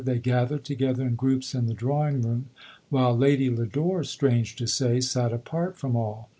They gathered together in groups in the drawing room, while Lady Lodore, strange to say, sat apart from all.